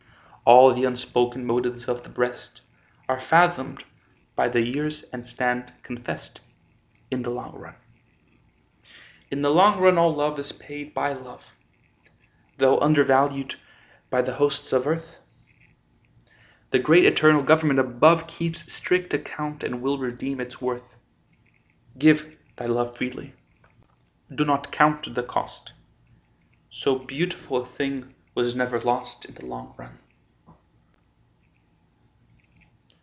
All the unspoken motives of the breast Are fathomed by the years and stand confess'd In the long run. In the long run all love is paid by love, Though undervalued by the hosts of earth; The great eternal Government above Keeps strict account and will redeem its worth. Give thy love freely; do not count the cost; So beautiful a thing was never lost In the long run.